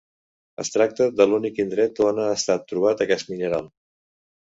Es tracta de l'únic indret on ha estat trobat aquest mineral.